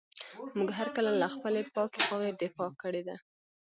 موږ هر کله له خپلي پاکي خاوري دفاع کړې ده.